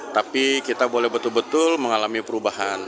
tapi kita boleh betul betul mengalami perubahan